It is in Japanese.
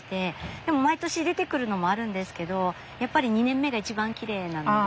でも毎年出てくるのもあるんですけどやっぱり２年目が一番きれいなので。